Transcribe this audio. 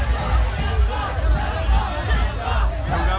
มันอาจจะไม่เอาเห็น